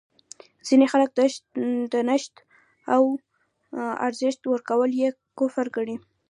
ځینې خلک درنښت او ارزښت ورکول یې کفر ګڼي.